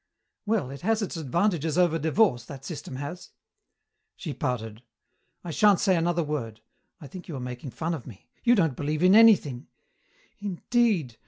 "Well, it has its advantages over divorce, that system has." She pouted. "I shan't say another word. I think you are making fun of me. You don't believe in anything " "Indeed.